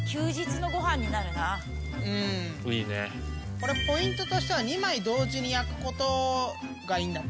これポイントとしては２枚同時に焼くことがいいんだって焦げないように。